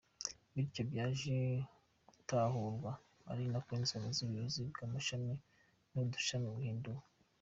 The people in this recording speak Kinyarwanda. Bityo byaje gutahurwa ari uko inzego z’ubuyobozi bw’amashami n’udushami bahinduwe.